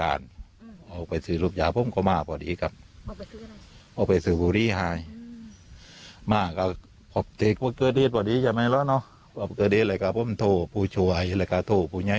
วันเกือดเตรียดอะไรกะผมโทษพูดไว้กาโทษพูดไว้